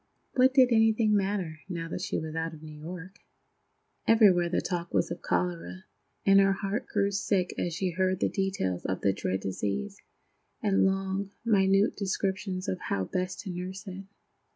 What did anything matter, now that she was out of New York? Everywhere the talk was of the cholera, and her heart grew sick as she heard the details of the dread disease, and long, minute descriptions of how best to nurse it.